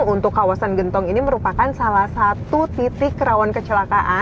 untuk kawasan gentong ini merupakan salah satu titik kerabat